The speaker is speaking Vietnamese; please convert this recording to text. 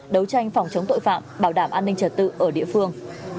đấu tranh phòng chống tội phạm bảo đảm an ninh trật tự ở địa phương